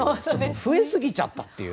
増えすぎちゃったっていう。